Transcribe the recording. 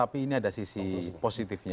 tapi ini ada sisi positifnya